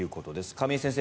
亀井先生